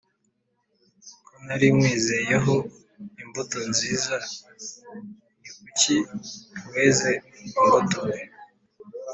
Ko nari nywizeyeho imbuto nziza, ni kuki weze imbuto mbi?